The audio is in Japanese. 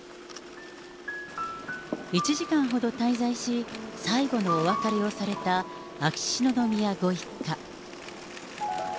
１時間ほど滞在し、最後のお別れをされた秋篠宮ご一家。